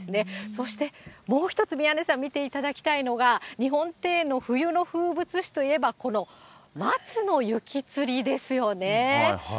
そしてもう一つ宮根さん、見ていただきたいのが、日本庭園の冬の風物詩といえば、この松の雪吊りですよね。